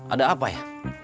ada apa ya